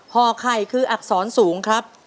ห่อไข่คืออักษรสูงครับ